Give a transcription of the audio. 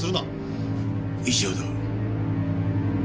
以上だ。